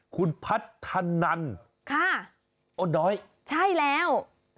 คุณพันธนันอดน้อยค่ะใช่แล้ว